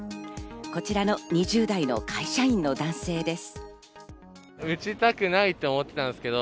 こちらの２０代の会社員の男性です。